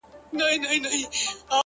• جاله هم سوله پر خپل لوري روانه ,